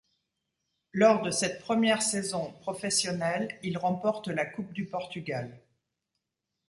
Lors de cette première saison professionnel, il remporte la coupe du Portugal.